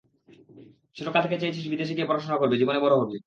ছোট কাল থেকে চেয়েছিস বিদেশে গিয়ে পড়াশোনা করবি, জীবনে বড় হবি।